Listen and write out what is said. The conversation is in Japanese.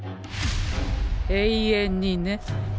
永遠にね。